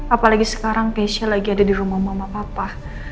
apalagi sekarang pasha lagi ada di rumah mama papa